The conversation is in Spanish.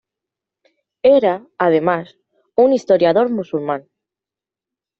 Era, además, un historiador musulmán.